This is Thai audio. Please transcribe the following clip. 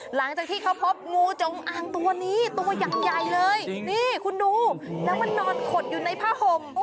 หลังจากที่เขาพบงูจงอางตัวนี้ตัวอย่างใหญ่เลยนี่คุณดูแล้วมันนอนขดอยู่ในผ้าห่ม